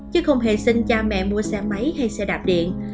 chứ không hề xin cha mẹ mua xe máy hay xe đạp điện